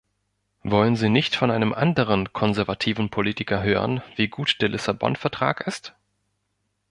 Wollen sie nicht von einem anderen konservativen Politiker hören, wie gut der Lissabon-Vertrag ist?